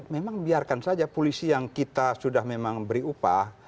memang biarkan saja polisi yang kita sudah memang beri upah